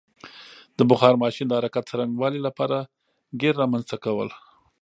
د بخار ماشین د حرکت څرنګوالي لپاره ګېر رامنځته کول.